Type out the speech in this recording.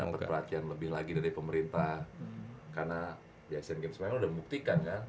dapet perhatian lebih lagi dari pemerintah karena di asean games semuanya udah membuktikan ya